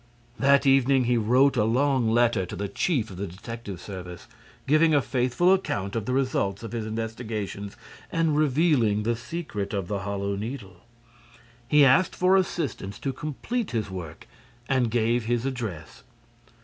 That evening, he wrote a long letter to the chief of the detective service, giving a faithful account of the results of his investigations and revealing the secret of the Hollow Needle. He asked for assistance to complete his work and gave his address.